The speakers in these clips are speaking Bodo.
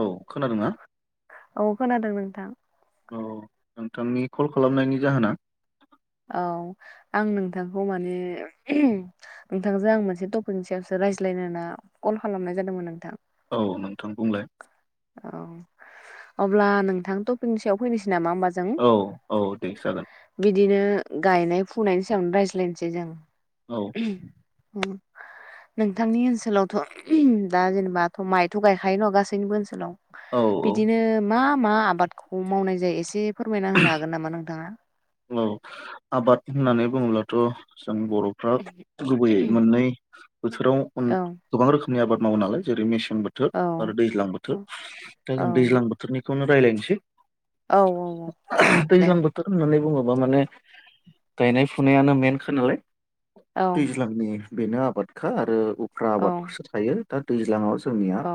औ खोनादों ना? औ खोनादों नोंथां। औ नोंथांनि कल खालामनायनि जाहोना? औ आं नोंथांखौ माने नोंथांजों आं मोनसे टपिकनि सायावसो रायज्लायनो होनना कल खालामनाय जादोंमोन नोंथां। औ नोंथां बुंलाय। औ अब्ला नोंथां टपिकनि सायाव फैनोसै नामा होमबा? जों? औ औ दे जागोन। बिदिनो गायनाय फुनायनि सायावनो रायज्लायनोसै जों। औ। उम नोंथांनि ओनसोलावथ' दा जेनेबाथ' माइथ' गायखायो न' गासैनिबो ओनसोलाव? औ औ बिदिनो मा मा आबादखौ मावनाय जायो एसे फोरमायना होनो हागोन नामा नोंथाङा? औ आबाद होननानै बुङोब्लाथ' जों बर' फ्रा गुबैयै मोननै बोथोराव औ गोबां रोखोमनि आबाद मावो नालाय। जेरै मेसें बो थोर औ आरो दैज्लां औ बोथोर। दा औ जों दैज्लां बोथोरनिखौनो रायलायनोसै। औ औ दे दैज्लां बोथोर होननानै बुङोबा माने गायनाय फुनायानो मेनखा नालाय। औ दैज्लांनि बेनो आबादखा आरो उफ्रा औ। आबादफोरसो थायो दा दैज्लाङाव जोंनिया औ।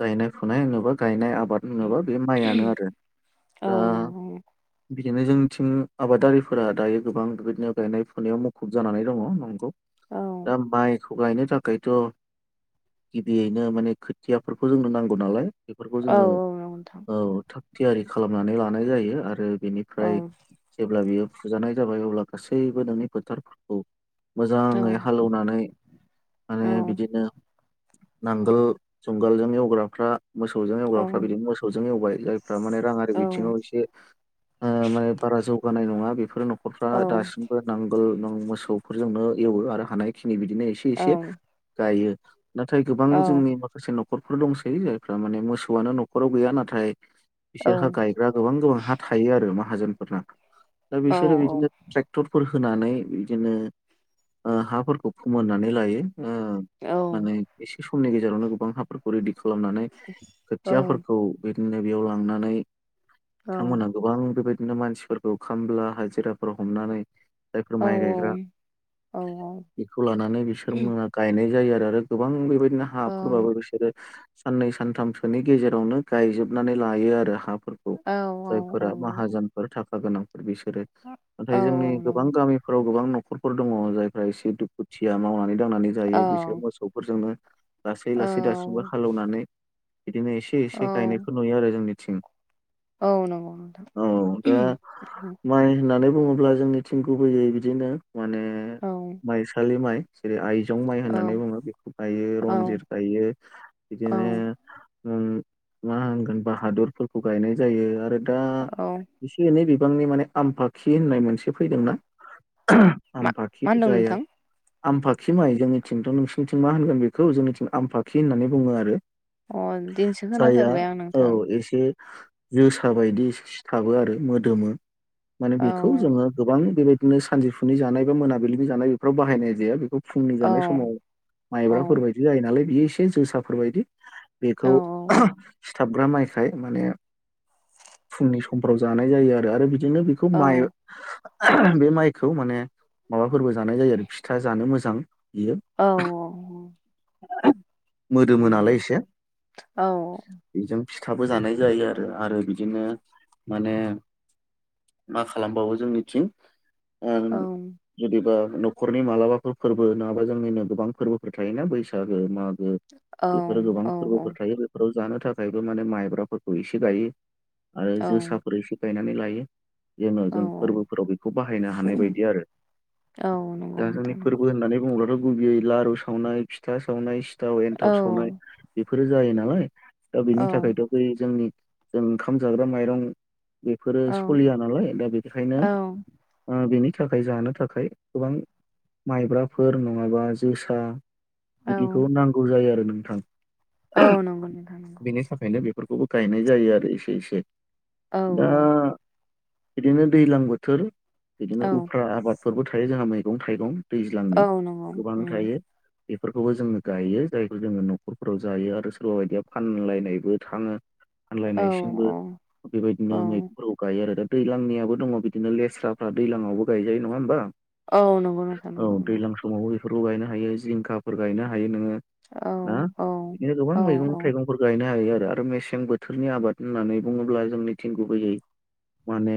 गायनाय फुनाय होनोबा गायनाय आबाद नाबा बे माइआनो आरो। औ दा नंगौ बिदिनो जों निथिं आबादारिफोरा दायो गोबां बेबायदिनो गायनाय फुनायाव मुखुब जानानै दङ नंगौ। औ दा माइ खौ गायनो थाखायथ' गिबियैनो माने खोथियाफोरखौ जोंनो नांगौ नालाय। बेफोरखौ औ जोङो औ नंगौ नोंथां औ थाग थियारि खालामनानै लानाय जायो आरो औ बेनिफ्राय जेब्ला बियो फुजानाय जाबाय अब्ला गासैबो नोंनि फोथारफोरखौ औ मोजाङै हालौनानै औ माने बिदिनो नांगोल जुंगालजों एवग्राफ्रा मोसौजों औ एवग्राफ्रा बिदिनो मोसौजों एवबाय। जाय फोरा माने राङारि औ बिथिङाव एसे ओ माने बारा जौगानाय नङा बेफोर न'रफ्रा औ दासिम बो नांगोल मोसौफोरजोंनो एवो आरो हानायखिनि बिदिनो एसे औ एसे गायो। नाथाय गोबां औ जोंनि माखासे नख'रफोर दंसै जायफ्रा माने मोसौआनो नख'राव गैया नाथाय बिसोरहा औ गायग्रा गोबां गोबां हा थायो आरो माहाजोनफोरना दा औ नंगौ बिसोरो बिदिनो ट्रेक्टरफोर होनानै बिदिनो ओ हाफोरखौ फोमोननानै लायो। ओ औ माने एसे समनि गेजेरावनो गोबां हा फोरखौ रेडि खालामनानै खोथियाफोरखौ बिदिनो बेयाव लांनानै बिथांमोनहा गोबां बेबायदिनो मानसिफोरखौ खामला हाजिराफोराव हमनानै जायफोर औ माइ गायग्रा बेखौ लानानै बिसोर मोना गायनाय जायो आरो। आरो गोबां बेबायदिनो हाफोरबाबो बिसोरो साननै सानथामसोनि गेजेरावनो गायजोबनानै लायो आरो हाफोरखौ। जायफोरा माहाजोनफोर थाखा गोनांफोर बिसोरो नाथाय जोंनि गोबां गामिफोराव गोबां न'खर फोर दङ जायफ्रा एसे दुखुथिया मावनानै दांनानै जायो बिसोर मोसौफोरजोंनो लासै लासै दासिमबो हालौनानै बिदिनो एसे एसे गायनायखौ नुयो आरो जोंनिथिं। औ नंगौ नोंथां। औ दा माइ होननानै बुङोब्ला जोंनिथिं गुबैयै बिदिनो माने औ माइसालि माइ जेरै आइजं माइ होननानै बुङो बेखौ गायो औ रनजित गायो औ बिदिनो उम मा होनगोन बाहादुरफोरखौ गायनाय जायो आरो दा औ एसे एनै बिबांनि माने आमफाखि होननाय मोनसे फैदोंना मा आम फाखि होनदों जाया नोंथां आमफाखि माइ जोंनिथिंथ' नोंसिनिथिं मा होनगोन बेखौ जोंनिथिं आमफाखि होननानै बुङो आरो। अ दिनैसो जायया खोनाफेरबाय आं औ नोंथां एसे जोसा बायदि इसे सिथाबो आरो मोदोमो माने बेखौ औ जोङो गोबां बेबायदिनो सानजौफुनि जानाय बा मोनाबिलिनि जानाय बेफोराव बाहायनाय जाया बेखौ फुंनि औ जानाय समाव औ माइब्राफोरबायायदि जायो नालाय बियो एसे जोसाफोरबायदि बेखौ औ सिथाबग्रा माइखाय माने फुंनि सम समफ्राव जानाय जायो आरो। आरो बिदिनो बेखौ औ माइ बे माइखौ माने माबाफोरबो जानाय जायो आरो फिथा जानो मोजां बियो। औ। उम मोदोमोनालाय एसे औ बेजों फिथाबो जानाय जायो आरो आरो बिदिनो माने मा खालामबावो जोंनिथिं ओ औ जुदिबा न'खरनि मालाबाफोर फोरबो नङाबा जोंनिनो गोबां फोरबोफोर थायोना बैसागो मागो। औ बेफोरो गोबां फोरबोफोर थायो। फोराव जानो थाखायबो माने माइब्राफोरखौ एसे गायो आरो औ जोसाफोर एसे गायनानै लायो। जेन' औ जों फोरबोफोराव बेखौ बाहायनो हानाय बायदि आरो। औ नंगौ दा जोंनि नोंथां नंगौ फोरबो होननानै बुङोब्लाथ' गुबैयै लारु सावनाय फिथा सावनाय सिथाव औ एन्थाब सावनाय बेफोरो जायो नालाय दा औ बेनि थाखायथ' बै जोंनि जों ओंखाम जाग्रा माइरं। बेफोरो औ सलिया नालाय दा बिनिखायनो औ बेनि थाखाय जानो थाखाय गोबां माइब्राफोर नङाबा जोसा औ बिदिखौ नांगौ जायो आरो नोंथां। औ नंगौ नोंथां नंगौ बेनि थाखायनो बेफोरखौबो गायनाय जायो आरो इसे इसे। औ दा बिदिनो दैज्लां बोथोर बिदिनो औ उफ्रा आबाद फोरबो थायो जोंहा मैगं थाइगं औ दैज्लांनि नंगौ गोबां उम थायो। बेफोरखौबो जोङो गायो जायखौ जोङो न'खरफोराव जायो आरो सोरबा बायदिया फानलायनायबो थाङो। औ फानलायनायसिमबो औ बेबायदिनो मैगंफोरखौ गायो आरो दा दैज्लांनियाबो दङ बिदिनो लेस्राफ्रा दैजलांयावबो गायजायो नङा होमबा। औ नंगौ नोंथां औ नंगौ नंगौ दैज्लां समावबो बेफोरखौ गायनो हायो जिंखाफोर गायनो हायो नोङो। औ ना औ। बिदिनो गोबां औ मैगं थाइगंफोर गायनो हायो आरो मेसें बोथोरनि आबाद होननानै बुङोब्ला जों निथिं गुबैयै माने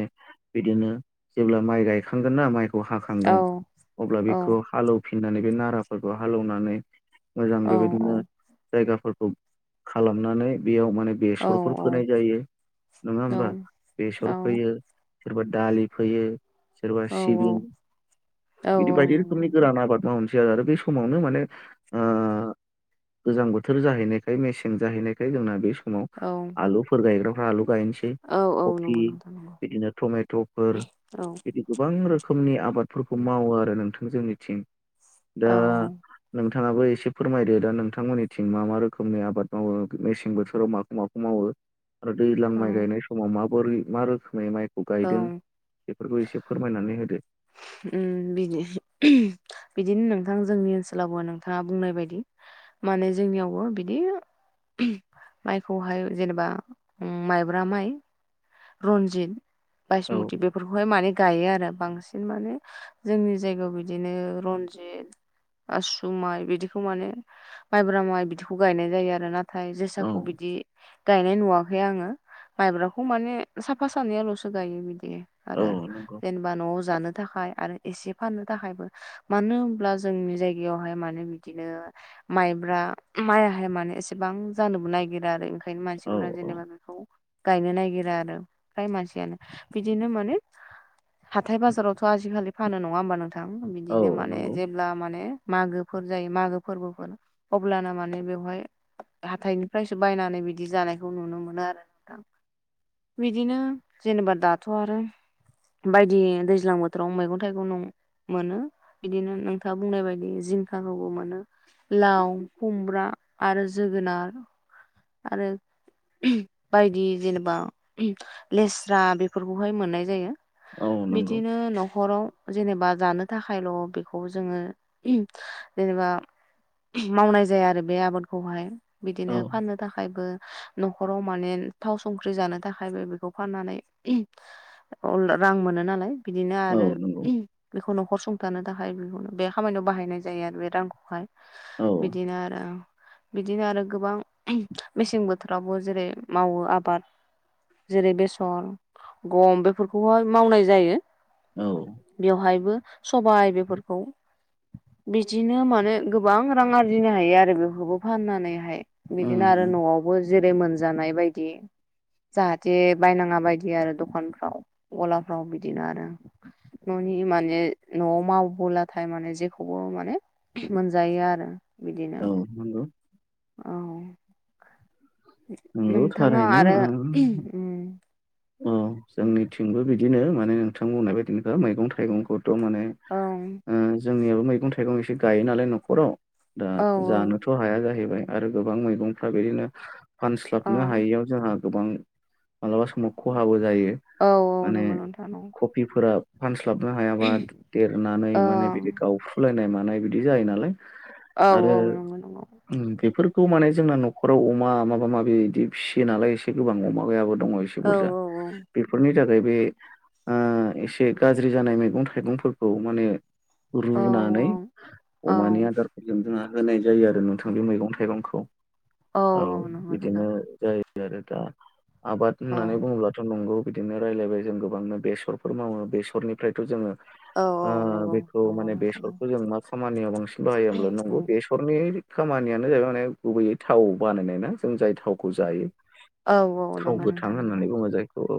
बिदिनो जेब्ला माइ गायखांगोना म औ हाखांगोन अब्ला औ बेखौ हालेवफिननानै बे नाराफोरखौ हालेवनानै मोजां औ बेबायदिनो जायगाफोरखौ खालामनानै बेयाव माने औ औ बेसरफोर फोनाय जायो। नङा होमबा बेसर फोयो सोरबा दालि फोयो। सोरबा सिबिं बिदि औ बायदि नंगौ रोखोमनि नोंथां गोरान आबाद मावो आरो बे समावनो माने गोजां बोथोर जाहैनायखाय मेसें जाहैनायखाय जोंना बे समाव औ। आलुफोर गायग्राफ्रा आलु गायनोसै। औ औ कफि नंगौ नोंथां नंगौ बिदिनो थमेट'फोर औ बि गोबां रोखोमनि आबादफोरखौ मावो आरो नोंथां जोंनिथिं औ दा नोंथाङाबो एसे फोरमायदो दा नोंथांमोननिथिं मा मा रोखोमनि आबाद मावो मेसें बोथोराव माखौ माखौ मावो? [unintelligible] दैज्लां औ माइ गायनाय समाव माबोरै मा रोखोमनि माइखौ औ गायदों बेफोरखौ एसे फोरमायनानै होदो उम बिनो बिदिनो नोंथां जोंनि ओनसोलावबो नोंथाङा बुंनाय बायदि माने जोंनियावबो बिदि माइखौहाय जेनेबा माइब्रा माइ रनजित औ बायसमुति बेफोरखौहाय माने गायो आरो बांसिन माने जोंनि जायगायाव बिदिनो रन्जित आसु माइ बिदिखौ माने माइब्रा माइ बिदिखौ गायनाय जायो आरो ना। नाथाय औ जोसाखौ बिदि गायनाय नुवाखै आङो माइब्राखौ माने साफा सानैयाल'सो गायो बिदि औ आरो नंगौ जेन बा न'आव जानो थाखाय आरो एसे फाननो थाखायबो मानो होनोमब्ला जोंनि जायगायावहाय माने बिदिनो माइब्रा माइआहाय माने एसेबां जानोबो नागिरा आरो ओंखायनो औ मानसिफोरा औ जेनेबा बेखौ गायनो नागिरा आरो फ्राय मानसियानो बिदिनो माने हाथाय बाजारावथ' आजिखालि फानो नङा होमबा नों थां औ बिदिनो माने नंगौ जे अब्ला माने मागोफोर जायो मागो फोरबोफोर अब्लानो माने बेवहाय हाथायनिफ्रायसो बायनानै बिदि जानायखौ नुनो मोनो आरो नोंथां बिदिनो जेनेबा दाथ' आरो बायदि दैज्लां बोथोराव मैगं थाइगं न मोनो बिदिनो नोंथाङा बुंनाय बायदि जिंखाखौबो मोनो लाव खुमब्रा आरो जोगोनार आरो बायदि जेनेबा लेस्रा बेफोरखौहाय मोननाय जायो औ नंगौ बिदिनो न'खराव जेनेबा जानो थाखायल' बेखौ जोङो जेनेबा मावनाय जाया आरो बे आबादखौहाय बिदिनो औ फाननो थाखायबो न'खराव माने थाव संख्रि जानो थाखायबो बेखौ फाननानै रां मोनो नालाय बिदिनो औ आरो नंगौ बेखौ न'खर संथानो थाखाय बेखौनो बे खामानियाव बाहायनाय जायो आरो बे रांखौहाय औ बिदिनो आरो बिदिनो आरो गोबां मेसें बोथोरावबो जेरै मावो आबाद जेरै बेसर गम बेफोरखौहाय मावनाय जायो औ बेवहायबो सबाय बेफोरखौ बिदिनो माने गोबां रां आरजिनो हायो आरो बेफोरखौ फाननानैहाय बिदिनो आरो उम न'आवबो जेरै मोनजानाय बायदि जाहाथे बायनाङा बायदि आरो दखानफ्राव गलाफ्राव बिदिनो आरो न'नि माने न'आव मावबोलाथाय माने जेखौबो माने मोनजायो आरो बिदिनो औ नंगौ औ नंगौ नोंथाङा थारैनो आरो उम उम जोंनिथिंबो बिदिनो माने नोंथां बुंनाय बायदिनोखा मैगं थाइगंखौ त' माने औ ओ जोंनियाबो मैगं थाइगं एसे गायो नालाय न'खराव दा औ जानोथ' हाया जाहैबाय आरो गोबां मैगंफ्रा बिदिनो औ फानस्लाबनो हायियाव जोंहा गोबां मालाबा समाव ख'हाबो जायो औ औ माने नंगौ नोंथां औ ख बिफोरा फानस्लाबनो हायाबा देरनानै औ माने बिदि गाव लायनाय मानाय बिदि जायो नालाय औ आरो नंगौ नंगौ उम बेफोरखौ माने जोंना न'खराव अ मा माबा माबि इदि फिसियो नालाय एसे गोबां अमा गैयाबो दङ एसे औ बुरजा। औ बेफोरनि थाखाय बे आ एसे गाज्रि जानाय मैगं थाइगंफोरखौ माने औ रुनानै औ अमानि आदारफोरजों जोंहा होनाय जायो आरो नोंथां बे मैगं थाइगंखौ। औ इदिनो जायो आरो दा आबाद औ। होननानै बुङोब्लाथ' नंगौ बिदिनो रायलायबाय जों गोबांनो बेस'रफोर मावो बेस'रनिफ्रायथ' जोङो औ [inaudible] औ ओ नंगौ बेखौ नंगौ माने नोंथां नंगौ बेस'रखौ जों खामानियाव बांसिन उम। बाहायाब्ला नंगौ बेस'रनि खामानियानो जाहैबाय माने गुबैयै था थाव बानायनाय ना जों जाय थावखौ जायो। औ थाव नंगौ गोथां नोंथां नंगौ होननानै बुङो जायखौ औ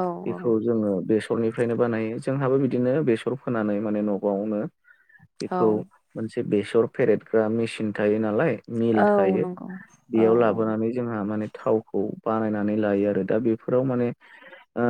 औ औ। बेखौ जोङो बेस सरनिफ्रायनो बानायो जोंहाबो बिदिनो बेस'र फोनानै माने न'आवनो औ। बेखौ मोनसे बेसर फेरेदग्रा मेसिन थायो नालाय मिल थायो। [inaudible] बेयाव लाबोनानै जोंहा माने थावखौ बानायनानै लायो आरो दा बेफोराव माने ओ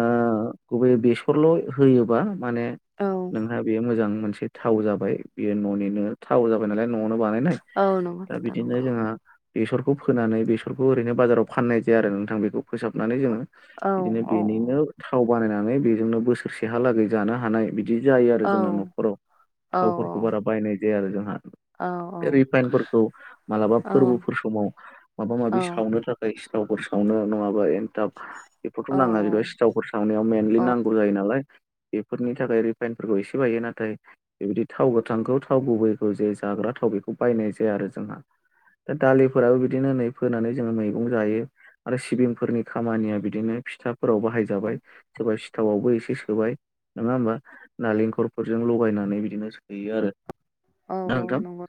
गुबैयै बेस'रल' होयोबा माने औ। औ नोंहा बेयो मोजां मोनसे थाव जाबाय बियो न'निनो थाव जाबाय नालाय न'आवनो बानायनाय औ नंगौ दा नोंथां बिदिनो नंगौ जोंहा बेस'रखौ फोनानै बेस'रखौ ओरैनो बाजाराव फाननाय जाया आरो नोंथां बेखौ फोसाबनानै जोङो औ बिदिनो औ बेनिनो थाव बानायनानै बेजोंनो बोसोरसेहालागै जानो हानाय बिदि जायो औ आरो जोंना न'खराव औ थावफोरखौ बारा बायनाय जाया आरो जोंहा। औ बे रिफाइनफोरखौ मालाबा औ फोर्बोफोर समाव माबा माबि सावनो थाख खाय सिथावफोर सावनो नङाबा एन्थाब औ बेफोरथ' नाङा जेनबा सिथावफोर सावनायाव मेनलि औ नांगौ जायो नालाय बेफोरनि थाखाय रिफाइनफोरखौ एसे बायो नाथाय बेबायदि थाव गोथांखौ थाव गुबैखौ जे जाग्रा थाव बेखौ बायनाय जाया आरो जोंहा। दा दालिफोराबो बिदिनो नै फोनानै जोङो मैगं जायो। आरो सिबिंफोरनि खामानिया बिदिनो फिथाफोराव बाहायजाबाय। सोरबा सिथावावबो एसे सोबाय नोङा होमबा? नालेंखरफोरजों लगायनानै बिदिनो सोयो आरो। औ ना नोंथां नंगौ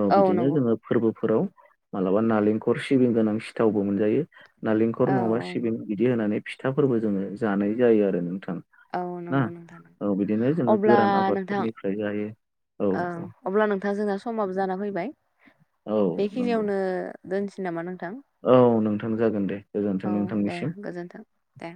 औ बिदिनो जोङो फोर्बोफोराव मालाबा नालेंखर सिबिं गोनां सिथावबो मोनजायो नालेंखर औ नङाबा सिबिं बिदि होनानै फिथाफोरबो जोङो जानाय जायो आरो नोंथां। औ औ ना नंगौ नोंथां औ बिदिनो जोङो अब्ला गोरान नोंथां आबादफोरनिफ्राय जायो औ औ। अब्ला नोंथां जोंना समाबो जाना फैबाय औ नंगौ बेखिनियावनो दोनसै नामा नोंथां? औ नोंथां जागोन दे गोजोन्थों औ दे नोंथांनिसिम। गोजोन्थों। दे।